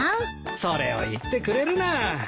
それを言ってくれるな。